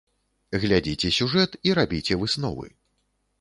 Глядзіце сюжэт і рабіце высновы.